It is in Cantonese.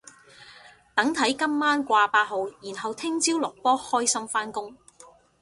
等睇今晚掛八號然後聽朝落波開心返工